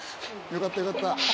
よかったよかった。